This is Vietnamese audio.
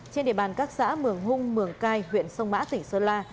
trên địa bàn các xã mường hung mường cai huyện sông mã tỉnh sơn la